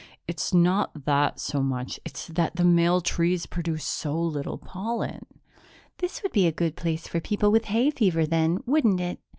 "It's not that so much. It's that the male trees produce so little pollen." "This would be a good place for people with hay fever then, wouldn't it?"